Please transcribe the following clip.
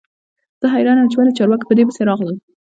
زه حیران یم چې ولې چارواکي په دې پسې راغلل